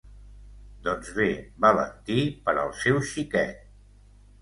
Doncs bé, Valentí per al seu xiquet!